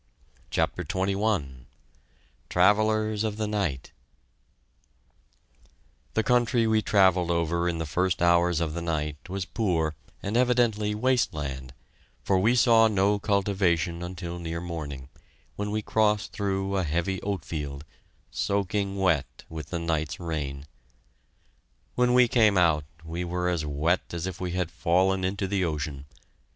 CHAPTER XXI TRAVELLERS OF THE NIGHT The country we travelled over in the first hours of the night was poor and evidently waste land, for we saw no cultivation until near morning, when we crossed through a heavy oat field, soaking wet with the night's rain. When we came out we were as wet as if we had fallen into the ocean.